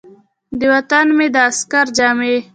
د وطن مې د عسکر جامې ،